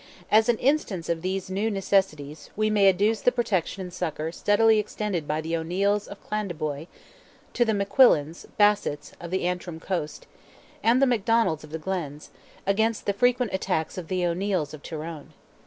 As an instance of these new necessities, we may adduce the protection and succour steadily extended by the O'Neils of Clandeboy, to the McQuillans, Bissets, of the Antrim coast, and the McDonnells of the Glens, against the frequent attacks of the O'Neils of Tyrone.